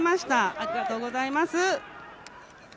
ありがとうございます。